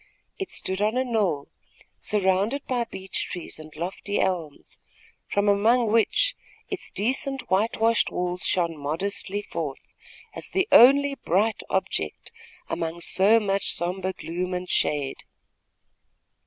It stood on a knoll, surrounded by beech trees and lofty elms, from among which its decent whitewashed walls shone modestly forth, as the only bright object among so much sombre gloom and shade.